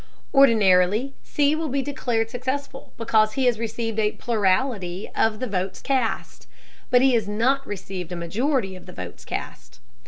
Ordinarily C will be declared successful because he has received a plurality of the votes cast. But he has not received a majority of the votes cast.